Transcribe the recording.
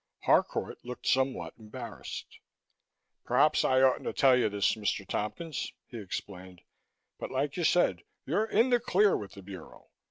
Harcourt looked somewhat embarrassed. "Perhaps I oughtn't to tell you this, Mr. Tompkins," he explained, "but like you said, you're in the clear with the Bureau.